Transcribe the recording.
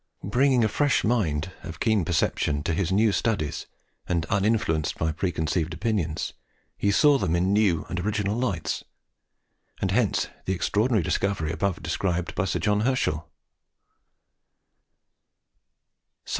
Bringing a fresh mind, of keen perception, to his new studies, and uninfluenced by preconceived opinions, he saw them in new and original lights; and hence the extraordinary discovery above described by Sir John Herschel.